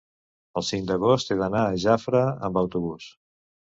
el cinc d'agost he d'anar a Jafre amb autobús.